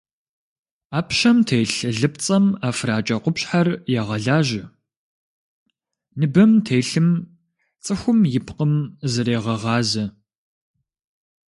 Ӏэпщэм телъ лыпцӏэм ӏэфракӏэ къупщхьэр егъэлажьэ, ныбэм телъым цӏыхум и пкъым зрегъэгъазэ.